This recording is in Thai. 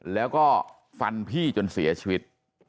แล้วก็ฟันพี่จนเสียชีวิต